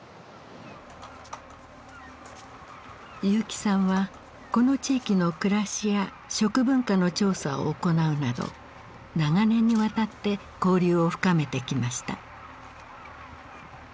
結城さんはこの地域の暮らしや食文化の調査を行うなど長年にわたって交流を深めてきました。